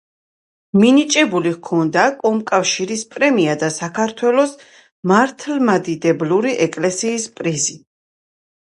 მინიჭებული ჰქონდა კომკავშირის პრემია და საქართველოს მართლმადიდებლური ეკლესიის პრიზი.